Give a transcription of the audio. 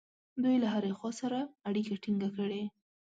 دوی له هرې خوا سره اړیکه ټینګه کړي.